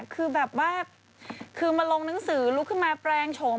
คือแบบว่าคือมาลงหนังสือลุกขึ้นมาแปลงโฉม